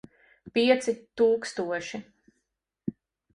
Pieci tūkstoši.